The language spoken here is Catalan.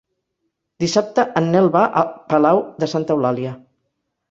Dissabte en Nel va a Palau de Santa Eulàlia.